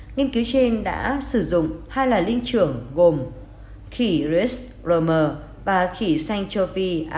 nghiên cứu trên đã sử dụng hai loài linh trưởng gồm khỉ risc romer và khỉ sanh châu phi agma